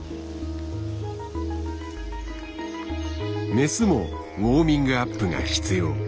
メスもウォーミングアップが必要。